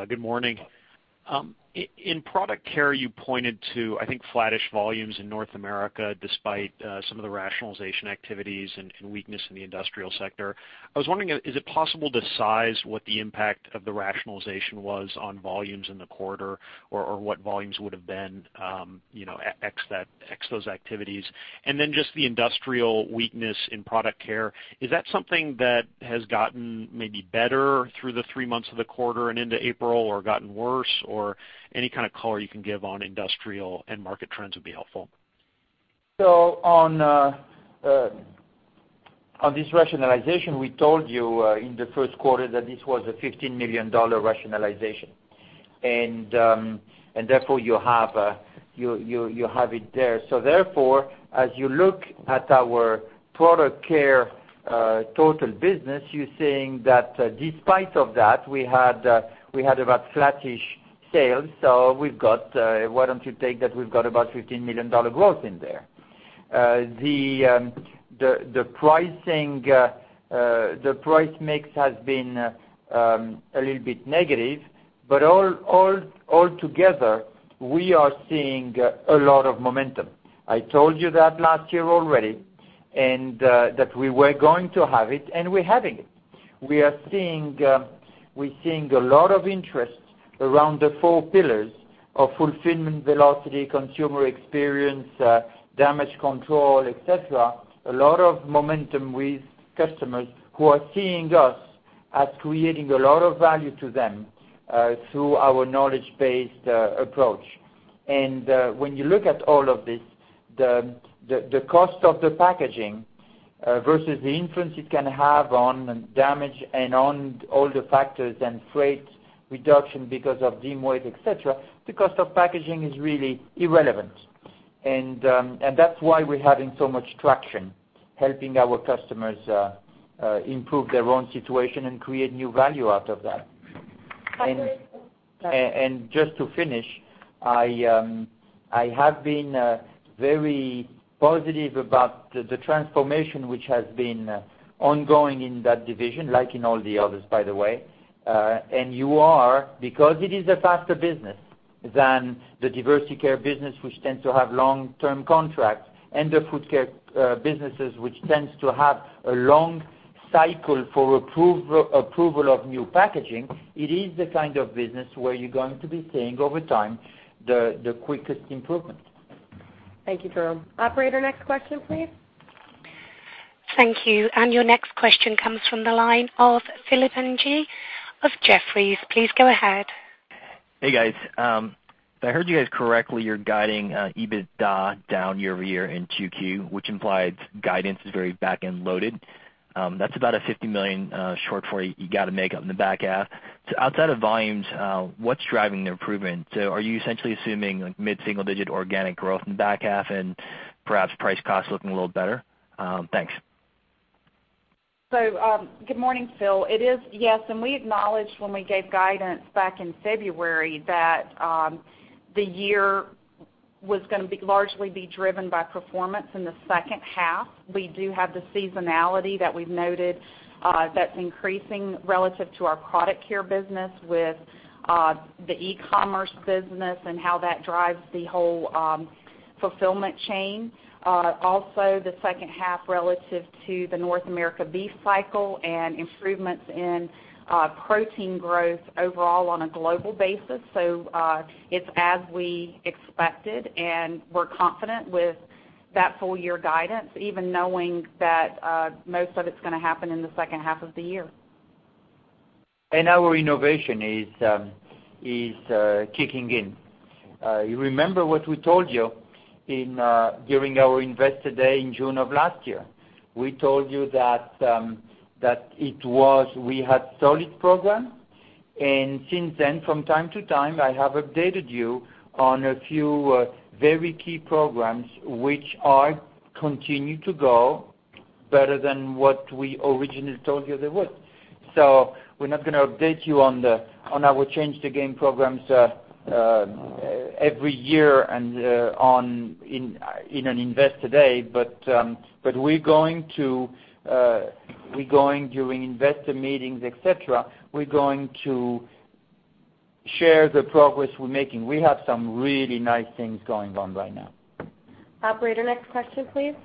L: Good morning. In Product Care, you pointed to, I think, flattish volumes in North America despite some of the rationalization activities and weakness in the industrial sector. I was wondering, is it possible to size what the impact of the rationalization was on volumes in the quarter? Or what volumes would have been, ex those activities? Just the industrial weakness in Product Care. Is that something that has gotten maybe better through the 3 months of the quarter and into April or gotten worse? Or any kind of color you can give on industrial and market trends would be helpful.
C: On this rationalization, we told you in the first quarter that this was a $15 million rationalization. Therefore, you have it there. Therefore, as you look at our Product Care total business, you're seeing that despite of that, we had about flattish sales. Why don't you take that we've got about $15 million growth in there. The price mix has been a little bit negative. All together, we are seeing a lot of momentum. I told you that last year already. That we were going to have it, and we're having it. We're seeing a lot of interest around the 4 pillars of fulfillment velocity, consumer experience, damage control, et cetera. A lot of momentum with customers who are seeing us as creating a lot of value to them through our knowledge-based approach. When you look at all of this, the cost of the packaging versus the influence it can have on damage and on all the factors and freight reduction because of dim weight, et cetera, the cost of packaging is really irrelevant. That's why we're having so much traction, helping our customers improve their own situation and create new value out of that. Just to finish, I have been very positive about the transformation, which has been ongoing in that division, like in all the others, by the way. You are, because it is a faster business than the Diversey Care business, which tends to have long-term contracts, and the Food Care businesses, which tends to have a long-cycle for approval of new packaging, it is the kind of business where you're going to be seeing over time, the quickest improvement.
D: Thank you, Jerome. Operator, next question, please.
A: Thank you. Your next question comes from the line of Philip Ng of Jefferies. Please go ahead.
M: Hey, guys. If I heard you guys correctly, you're guiding EBITDA down year-over-year in Q2, which implies guidance is very back-end loaded. That's about a $50 million short for you got to make up in the back half. Outside of volumes, what's driving the improvement? Are you essentially assuming mid-single digit organic growth in the back half and perhaps price cost looking a little better? Thanks.
D: Good morning, Phil. It is, yes, we acknowledged when we gave guidance back in February that the year was going to be largely be driven by performance in the second half. We do have the seasonality that we've noted, that's increasing relative to our Product Care business with the e-commerce business and how that drives the whole fulfillment chain. Also, the second half relative to the North America beef cycle and improvements in protein growth overall on a global basis. It's as we expected, we're confident with that full-year guidance, even knowing that most of it's going to happen in the second half of the year.
C: Our innovation is kicking in. You remember what we told you during our Investor Day in June of last year. We told you that we had solid program, since then, from time to time, I have updated you on a few very key programs which are continued to go better than what we originally told you they would. We're not going to update you on our Change the Game programs, every year and in an Investor Day. But, we're going during investor meetings, et cetera, we're going to share the progress we're making. We have some really nice things going on right now.
D: Operator, next question, please.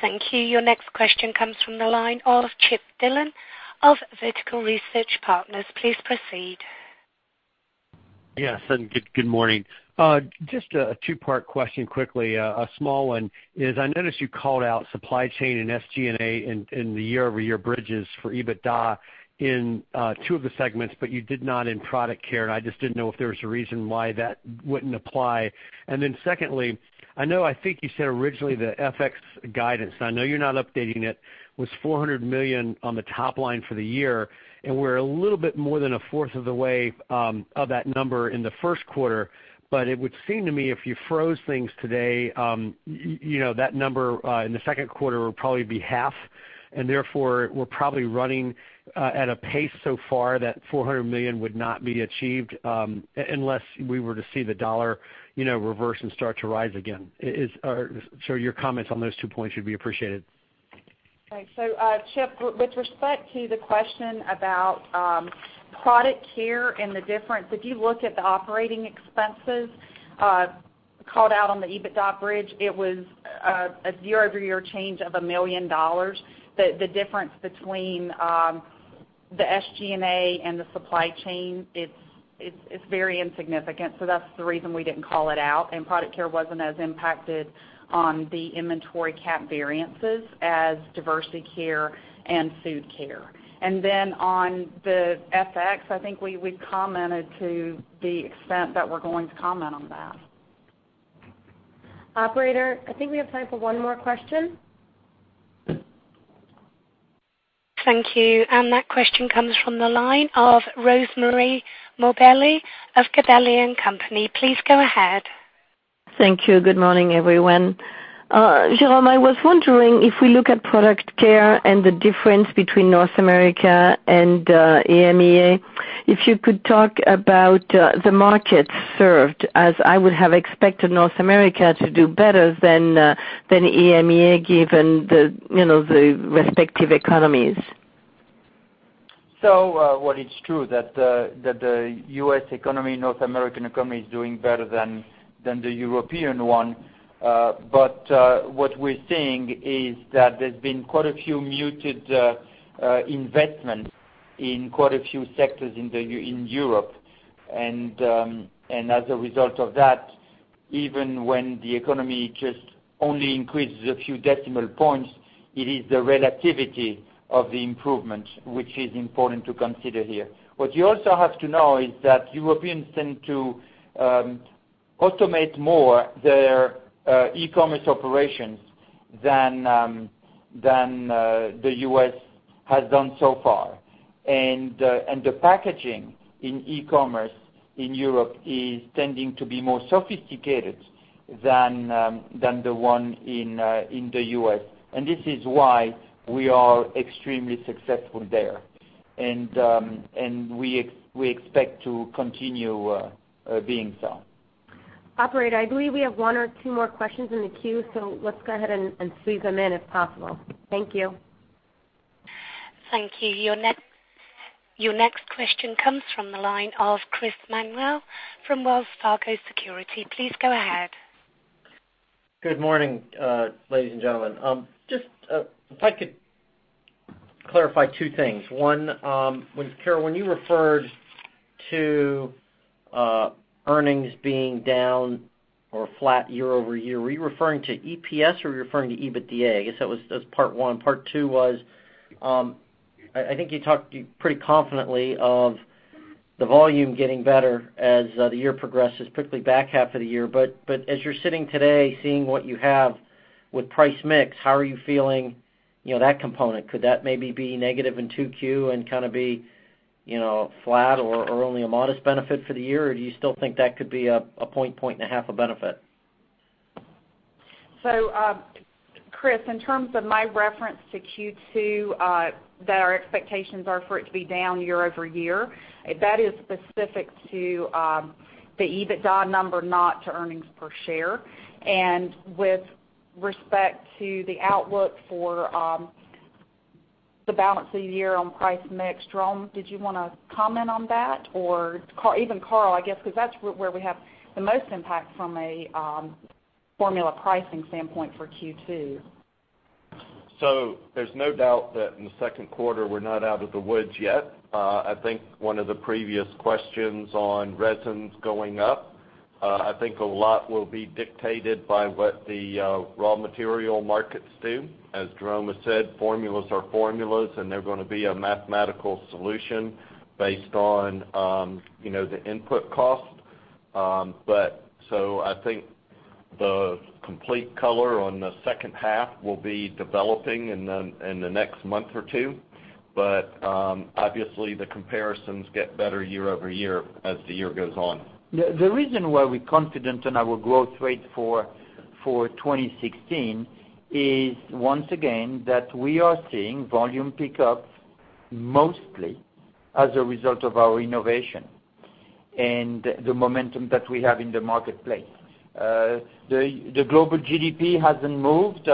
A: Thank you. Your next question comes from the line of Chip Dillon of Vertical Research Partners. Please proceed.
N: Yes, good morning. Just a two-part question quickly, a small one is I noticed you called out supply chain and SG&A in the year-over-year bridges for EBITDA in two of the segments, but you did not in Product Care, I just didn't know if there was a reason why that wouldn't apply. Then secondly, I know I think you said originally the FX guidance, I know you're not updating it, was $400 million on the top line for the year, we're a little bit more than a fourth of the way of that number in the first quarter. It would seem to me, if you froze things today, that number, in the second quarter, would probably be half, and therefore, we're probably running at a pace so far that $400 million would not be achieved, unless we were to see the dollar reverse and start to rise again. Your comments on those two points would be appreciated.
D: Okay. Chip, with respect to the question about Product Care and the difference, if you look at the operating expenses, called out on the EBITDA bridge, it was a year-over-year change of $1 million. The difference between the SG&A and the supply chain, it's very insignificant. That's the reason we didn't call it out. Product Care wasn't as impacted on the inventory cap variances as Diversey Care and Food Care. Then on the FX, I think we commented to the extent that we're going to comment on that. Operator, I think we have time for one more question.
A: Thank you. That question comes from the line of Rosemarie Morbelli of Gabelli & Company. Please go ahead.
O: Thank you. Good morning, everyone. Jerome, I was wondering if we look at Product Care and the difference between North America and EMEA, if you could talk about the markets served, as I would have expected North America to do better than EMEA, given the respective economies.
C: Well, it's true that the U.S. economy, North American economy, is doing better than the European one. What we're seeing is that there's been quite a few muted investments in quite a few sectors in Europe. As a result of that, even when the economy just only increases a few decimal points, it is the relativity of the improvement, which is important to consider here. What you also have to know is that Europeans tend to automate more their e-commerce operations than the U.S. has done so far. The packaging in e-commerce in Europe is tending to be more sophisticated than the one in the U.S. This is why we are extremely successful there. We expect to continue being so.
D: Operator, I believe we have one or two more questions in the queue, let's go ahead and squeeze them in if possible. Thank you.
A: Thank you. Your next question comes from the line of Chris Manuel from Wells Fargo Securities. Please go ahead.
P: Good morning, ladies and gentlemen. Just if I could clarify two things. One, Carol, when you referred to earnings being down or flat year-over-year, were you referring to EPS or were you referring to EBITDA? I guess that was part one. Part two was, I think you talked pretty confidently of the volume getting better as the year progresses, particularly back half of the year. As you're sitting today, seeing what you have with price mix, how are you feeling that component? Could that maybe be negative in 2Q and kind of be flat or only a modest benefit for the year? Do you still think that could be a point and a half of benefit?
D: Chris, in terms of my reference to Q2, that our expectations are for it to be down year-over-year, that is specific to the EBITDA number, not to earnings per share. With respect to the outlook for the balance of the year on price mix, Jerome, did you want to comment on that? Even Karl, I guess, because that's where we have the most impact from a formula pricing standpoint for Q2.
E: There's no doubt that in the second quarter, we're not out of the woods yet. I think one of the previous questions on resins going up, I think a lot will be dictated by what the raw material markets do. As Jerome has said, formulas are formulas, and they're going to be a mathematical solution based on the input cost. I think the complete color on the second half will be developing in the next month or two. Obviously the comparisons get better year-over-year as the year goes on.
C: The reason why we're confident in our growth rate for 2016 is, once again, that we are seeing volume pick up mostly as a result of our innovation and the momentum that we have in the marketplace. The global GDP hasn't moved.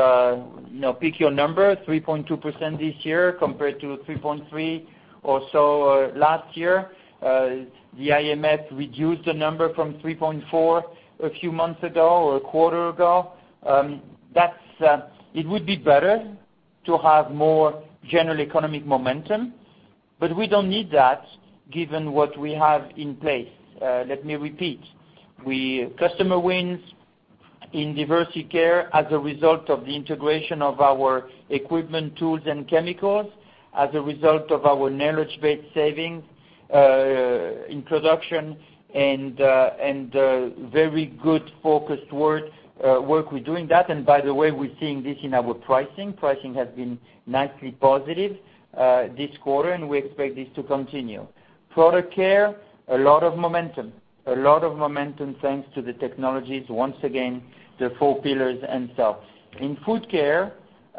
C: Pick your number, 3.2% this year compared to 3.3 or so last year. The IMF reduced the number from 3.4 a few months ago or a quarter ago. It would be better to have more general economic momentum, we don't need that given what we have in place. Let me repeat. Customer wins in Diversey Care as a result of the integration of our equipment, tools, and chemicals, as a result of our knowledge-based savings in production and very good focused work with doing that. By the way, we're seeing this in our pricing. Pricing has been nicely positive this quarter, we expect this to continue. Product Care, a lot of momentum. A lot of momentum thanks to the technologies, once again, the four pillars and so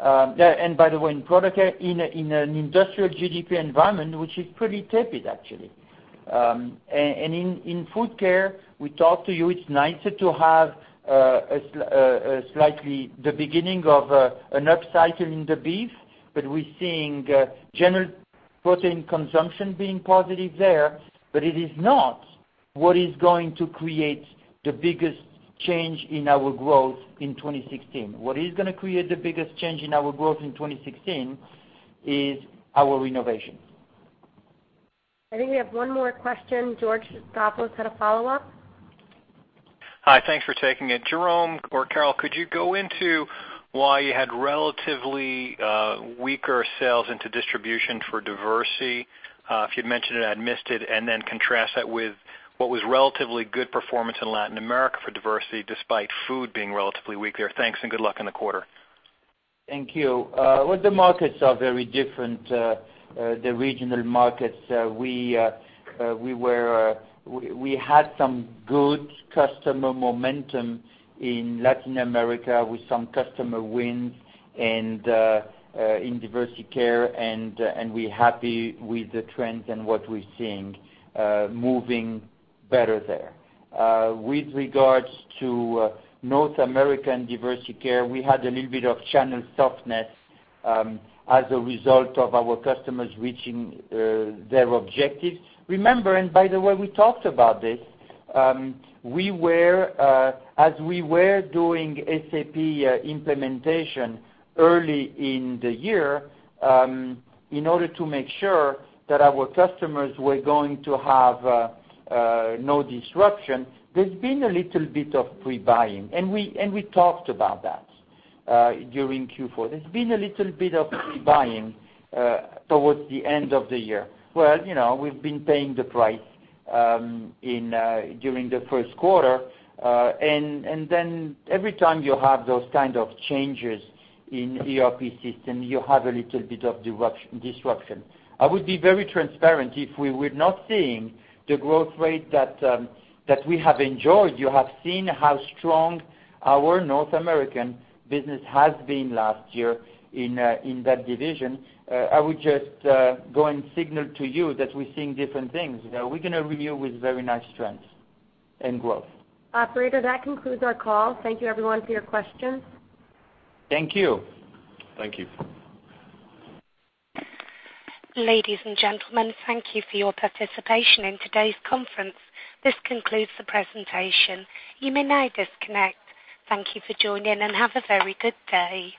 C: on. By the way, in Product Care, in an industrial GDP environment, which is pretty tepid, actually. In Food Care, we talked to you, it's nicer to have slightly the beginning of an upcycle in the beef, we're seeing general protein consumption being positive there. It is not what is going to create the biggest change in our growth in 2016. What is going to create the biggest change in our growth in 2016 is our innovation.
A: I think we have one more question. George Staphos had a follow-up.
H: Hi, thanks for taking it. Jerome or Carol, could you go into why you had relatively weaker sales into distribution for Diversey? If you'd mentioned it, I'd missed it. Contrast that with what was relatively good performance in Latin America for Diversey, despite food being relatively weak there. Thanks, and good luck in the quarter.
C: Thank you. Well, the markets are very different, the regional markets. We had some good customer momentum in Latin America with some customer wins and in Diversey Care, we're happy with the trends and what we're seeing moving better there. With regards to North American Diversey Care, we had a little bit of channel softness as a result of our customers reaching their objectives. Remember, by the way, we talked about this. As we were doing SAP implementation early in the year in order to make sure that our customers were going to have no disruption, there's been a little bit of pre-buying, we talked about that during Q4. There's been a little bit of pre-buying towards the end of the year. Well, we've been paying the price during the first quarter. Every time you have those kind of changes in ERP system, you have a little bit of disruption. I would be very transparent if we were not seeing the growth rate that we have enjoyed. You have seen how strong our North American business has been last year in that division. I would just go and signal to you that we're seeing different things. We're going to review with very nice trends and growth.
D: Operator, that concludes our call. Thank you everyone for your questions.
C: Thank you.
E: Thank you.
A: Ladies and gentlemen, thank you for your participation in today's conference. This concludes the presentation. You may now disconnect. Thank you for joining, and have a very good day.